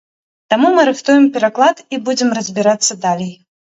Таму мы рыхтуем пераклад і будзем разбірацца далей.